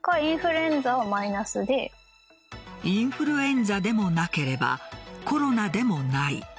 インフルエンザでもなければコロナでもない。